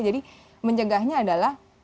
jadi pencegahnya adalah